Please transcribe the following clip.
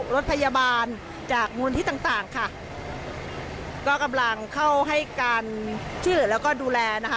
รถพยาบาลจากมูลที่ต่างต่างค่ะก็กำลังเข้าให้การช่วยเหลือแล้วก็ดูแลนะคะ